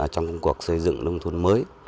trong cuộc xây dựng đông thôn mới